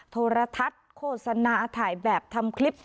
โทรทัศน์โฆษณาถ่ายแบบทำคลิป